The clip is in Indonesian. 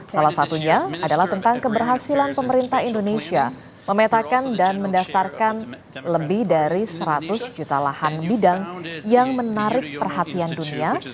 salah satunya adalah tentang keberhasilan pemerintah indonesia memetakan dan mendaftarkan lebih dari seratus juta lahan bidang yang menarik perhatian dunia